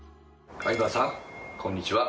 相葉さんこんにちは。